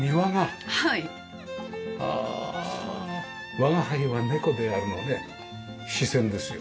『吾輩は猫である』のね視線ですよ。